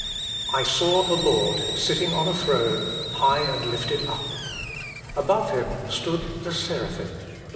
I saw the Lord sitting on a throne, high and lifted up. Above Him stood the seraphim.